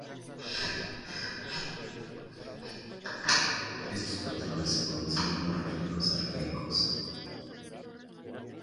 Estos patrones se conocen como reflejos arcaicos.